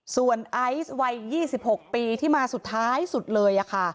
ส่วนไอซ์วัย๒๖ปีที่มาสุดท้ายสุดเลย